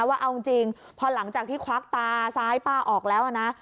ว่าเอาจริงพอหลังจากที่ควักตาซ้ายป้าออกแล้วนะ